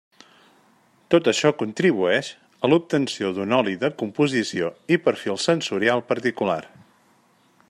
Tot això contribueix a l'obtenció d'un oli de composició i perfil sensorial particular.